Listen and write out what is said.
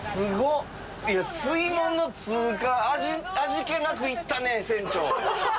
いや水門の通過味気なくいったね船長。